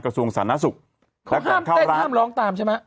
กระทรวงศาลนาศุกร์ห้ามเต้นห้ามร้องตามใช่ไหม